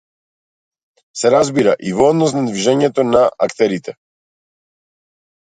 Се разбира, и во однос на движењето на актерите.